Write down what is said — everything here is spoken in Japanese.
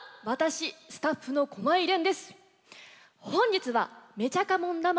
私スタッフの駒井蓮です。